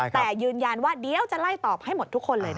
แต่ยืนยันว่าเดี๋ยวจะไล่ตอบให้หมดทุกคนเลยนะคะ